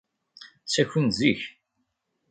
Ttakin-d zik.